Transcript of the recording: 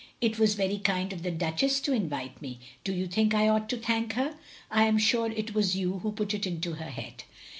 " It was very kind of the Duchess to invite me; do you think I ought to thank her? I am sure it was you who put it into her head.